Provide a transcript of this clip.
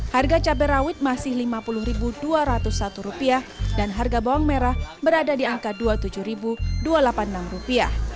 harga cabai rawit masih rp lima puluh dua ratus satu dan harga bawang merah berada di angka rp dua puluh tujuh dua ratus delapan puluh enam